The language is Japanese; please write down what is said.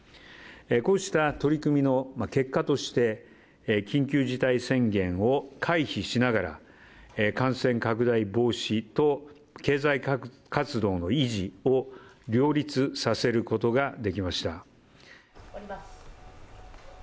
こうした取り組みの結果として、緊急事態宣言を回避しながら感染拡大防止と経済活動の維持を両立させることができました。